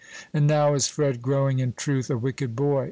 And now is Fred growing in truth a wicked boy.